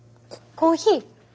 コーヒー？